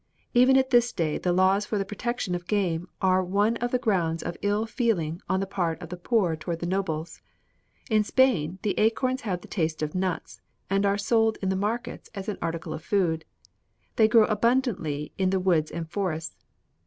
Even at this day the laws for the protection of game are one of the grounds of ill feeling on the part of the poor toward the nobles. In Spain the acorns have the taste of nuts, and are sold in the markets as an article of food. They grow abundantly in the woods and forests.